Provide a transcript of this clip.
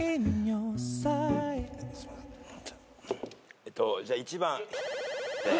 えっとじゃあ１番。